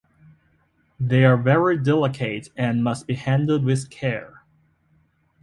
They are very delicate and must be handled with care.